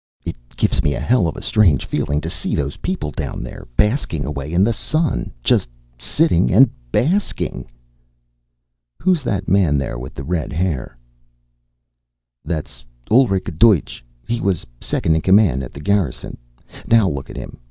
It gives me a hell of a strange feeling to see those people down there, basking away in the sun, just sitting and basking." "Who's that man there with the red hair?" "That's Ulrich Deutsch. He was Second in Command at the Garrison. Now look at him!